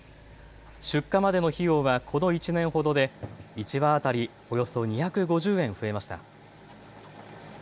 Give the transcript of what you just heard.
出荷までの費用はこの１年ほどで１羽当たりおよそ２５０円増えました。